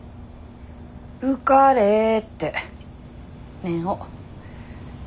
受かれって念を。